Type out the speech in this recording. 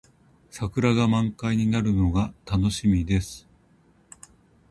桜が満開になるのが楽しみです。